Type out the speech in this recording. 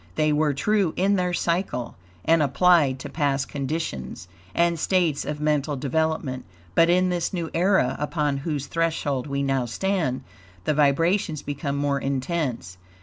They were true in their cycle, and applied to past conditions and states of mental development. But in this new era, upon whose threshold we now stand, the vibrations become more intense.